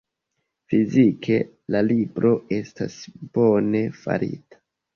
Fizike, la libro estas bone farita.